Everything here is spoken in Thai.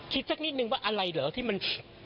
สักนิดนึงว่าอะไรเหรอที่มัน